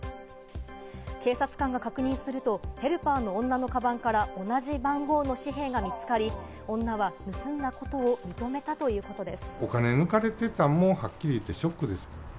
警察官が確認すると、ヘルパーの女のかばんから同じ番号の紙幣が見つかり、女は盗んだことを認めたということです。